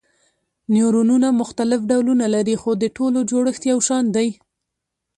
نیورونونه مختلف ډولونه لري خو د ټولو جوړښت یو شان دی.